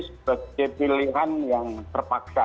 sebagai pilihan yang terpaksa